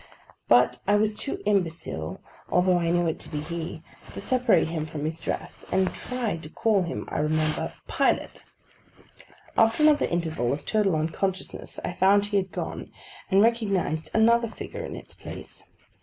But I was too imbecile, although I knew it to be he, to separate him from his dress; and tried to call him, I remember, Pilot. After another interval of total unconsciousness, I found he had gone, and recognised another figure in its place.